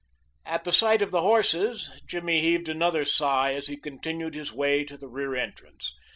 At the sight of the horses Jimmy heaved another sigh as he continued his way to the rear entrance.